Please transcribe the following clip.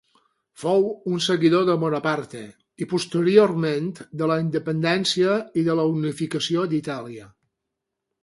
Fou un seguidor de Bonaparte i posteriorment de la independència i de la unificació d'Itàlia.